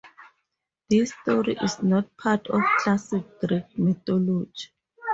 This story is not part of classical Greek mythology.